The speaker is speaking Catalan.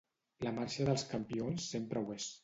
La marxa dels campions sempre ho és.